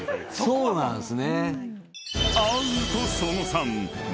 そうなんです。